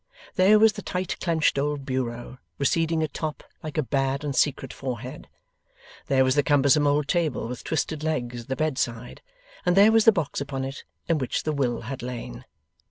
There was the tight clenched old bureau, receding atop like a bad and secret forehead; there was the cumbersome old table with twisted legs, at the bed side; and there was the box upon it, in which the will had lain.